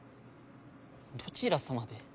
どちら様で？